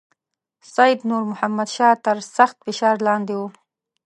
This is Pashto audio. سید نور محمد شاه تر سخت فشار لاندې وو.